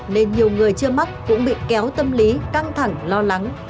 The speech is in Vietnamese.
nên nhiều người chưa mắc cũng bị kéo tâm lý căng thẳng lo lắng